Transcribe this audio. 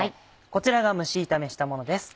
こちらが蒸し炒めしたものです。